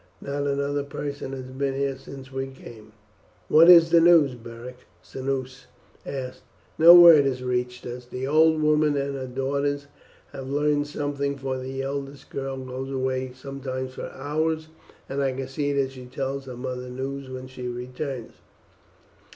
Not another person has been here since we came." "What is the news, Beric?" Cneius asked. "No word has reached us. The old woman and her daughters have learned something, for the eldest girl goes away sometimes for hours, and I can see that she tells her mother news when she returns."